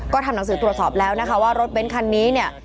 ก็ทำหนังสือตรวจสอบแล้วนะคะว่ารถเบ้นคันนี้เนี่ย